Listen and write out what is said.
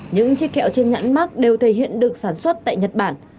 những chiếc kẹo trên nhãn mắc đều thể hiện được sản xuất tại nhật bản